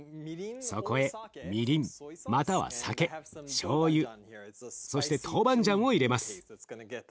そこへみりんまたは酒しょうゆそして豆板醤を入れます。